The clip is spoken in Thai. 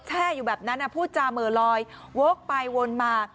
แช่อยู่แบบนั้นผู้จามอ่ะลอยโว๊กไปวนมา